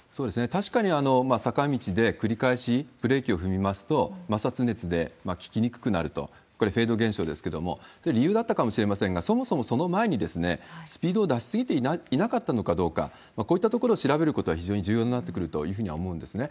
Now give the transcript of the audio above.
確かに坂道で繰り返しブレーキを踏みますと、摩擦熱で利きにくくなると、これ、フェード現象ですけれども、これ、理由があったかもしれませんが、そもそもその前にスピードを出し過ぎていなかったのかどうか、こういったところを調べることは非常に重要になってくるというふうには思うんですね。